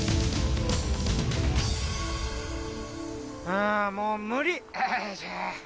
ああもう無理！